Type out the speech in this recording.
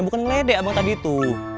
bukan ngelede abang tadi itu